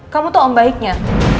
kamu tuh om baiknya